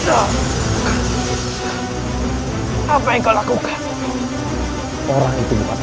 apa yang kau lakukan